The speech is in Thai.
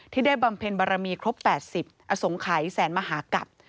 ได้บำเพ็ญบารมีครบ๘๐อสงขัยแสนมหากับ